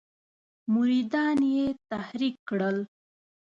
مریدان یې تحریک کړل.